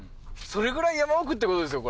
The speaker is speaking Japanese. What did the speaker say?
それぐらい山奥ってことですよ